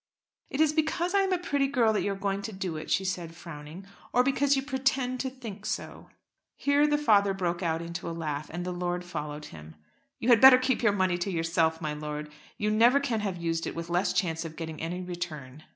"It is because I am a pretty girl that you are going to do it," she said, frowning, "or because you pretend to think so." Here the father broke out into a laugh, and the lord followed him. "You had better keep your money to yourself, my lord. You never can have used it with less chance of getting any return."